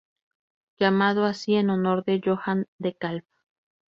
Llamado así en honor de Johan DeKalb.